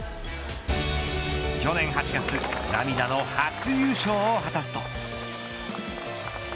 去年８月涙の初優勝を果たすと。